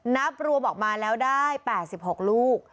นับรวมออกมาแล้วได้๘๖ลูก